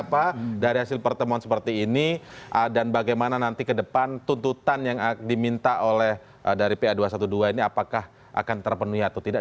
apa dari hasil pertemuan seperti ini dan bagaimana nanti ke depan tuntutan yang diminta oleh dari pa dua ratus dua belas ini apakah akan terpenuhi atau tidak